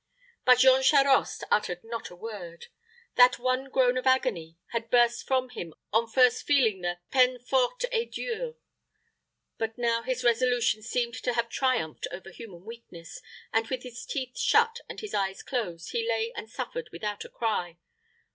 But Jean Charost uttered not a word. That one groan of agony had burst from him on first feeling the peine forte et dure. But now his resolution seemed to have triumphed over human weakness, and, with his teeth shut and his eyes closed, he lay and suffered without a cry.